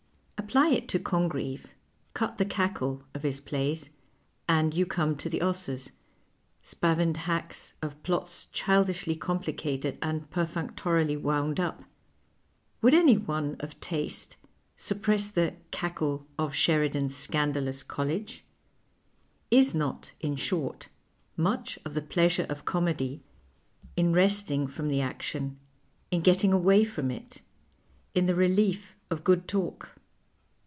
Apply it to Congreve, " cut the eaekk '" of his plays, and you conic to tiie 'osses, spa\ incd hacks, of plots childislily eomplieated and perfunctorily womid uj). Would any one of taste suppress the " cackle *" of .Sheridan's scandalous college ? Is not, in short, nnicli of the pleasure of comedy in resting from the action, in getting away from it, in the relief of good talk